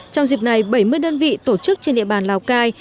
trong dịp này bảy mươi đơn vị tổ chức trên địa bàn lào cai